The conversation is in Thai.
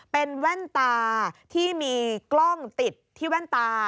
เป็นแว่นตาที่มีกล้องติดที่แว่นตา